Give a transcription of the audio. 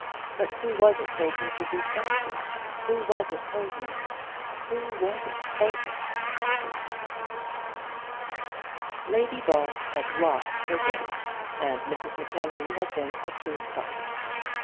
But who was it told me to be firm? Who was it told me? Who was it told me?" Lady Ball had lost her game, and Mrs Mackenzie had been a true prophet.